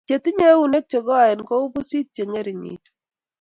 Che tinyei eunek che koen kou pusit kongeringitu